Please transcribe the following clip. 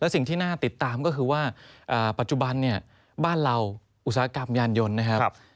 สิ่งที่น่าติดตามก็คือว่าปัจจุบันเนี่ยบ้านเราอุตสาหกรรมยานยนต์นะครับ